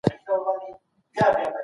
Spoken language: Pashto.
ته چي ځان نه کړې خوندي له غلیمانو